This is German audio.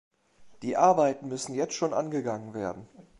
Die Arbeiten müssen jetzt schon angegangen werden.